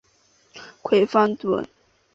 葵芳邨。